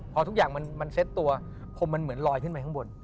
พอทุกอย่างมันเซ็ตตัวพรมมันเหมือนลอยขึ้นไปข้างบน